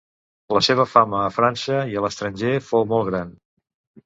La seva fama a França i a l'estranger fou molt gran.